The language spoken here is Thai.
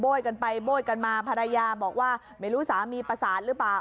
กันไปโบ้ยกันมาภรรยาบอกว่าไม่รู้สามีประสานหรือเปล่า